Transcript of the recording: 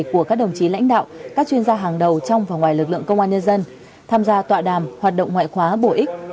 của các đồng chí lãnh đạo các chuyên gia hàng đầu trong và ngoài lực lượng công an nhân dân tham gia tọa đàm hoạt động ngoại khóa bổ ích